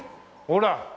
ほら！